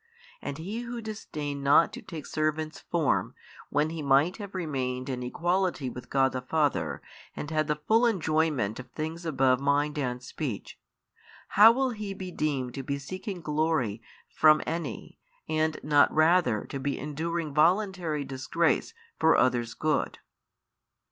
And He Who disdained not to take servant's form, when He might have remained in equality with God the Father and had the full enjoyment of things above mind and speech, how will He be deemed to be seeking glory from any and not rather to be enduring voluntary disgrace for others' good?